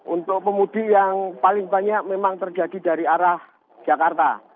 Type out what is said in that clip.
untuk pemudik yang paling banyak memang terjadi dari arah jakarta